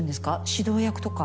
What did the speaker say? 指導役とか。